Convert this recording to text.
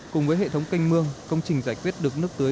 cùng với hệ thống canh mương công trình giải quyết được nước tưới